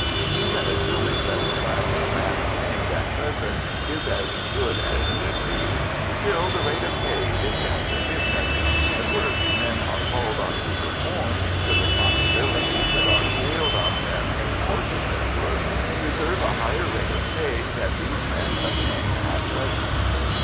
And, even assuming that the class of man obtained at present is as good as need be, still the rate of pay is insufficient; the work men are called on to perform, the responsibilities that are entailed on them in the course of their work, deserve a higher rate of pay than these men obtain at present.